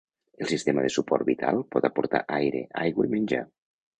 El sistema de suport vital pot aportar aire, aigua i menjar.